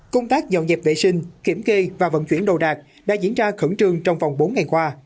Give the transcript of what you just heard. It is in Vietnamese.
công tác dọn dẹp vệ sinh kiểm kê và vận chuyển đồ đạc đã diễn ra khẩn trương trong vòng bốn ngày qua